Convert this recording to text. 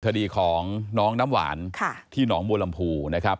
ทดีของน้องน้ำหวานที่หนองโบรมภูนะครับ